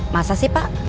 masa sih pak